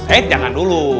eh jangan dulu